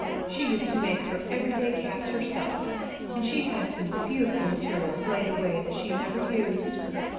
"She used to make her every day caps herself, and she had some beautiful materials laid away that she never used.